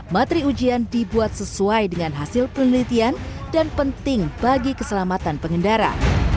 materi ujian dibuat sesuai dengan hasil penelitian dan penting bagi keselamatan pengendara